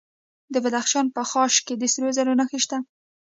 د بدخشان په خاش کې د سرو زرو نښې شته.